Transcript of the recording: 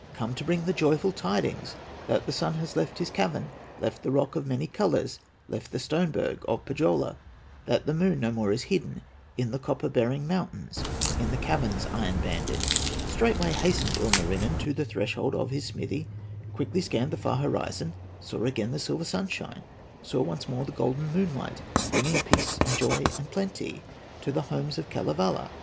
Come to bring the joyful tidings That the Sun has left his cavern, Left the rock of many colors, Left the stone berg of Pohyola; That the Moon no more is hidden In the copper bearing mountains, In the caverns iron banded." Straightway hastened Ilmarinen To the threshold of his smithy, Quickly scanned the far horizon, Saw again the silver sunshine, Saw once more the golden moonlight, Bringing peace, and joy, and plenty, To the homes of Kalevala.